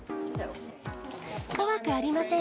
怖くありません。